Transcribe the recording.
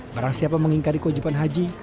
barang siapa mengingkari kewajiban haji